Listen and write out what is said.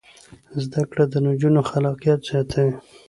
زده کړه د نجونو خلاقیت زیاتوي.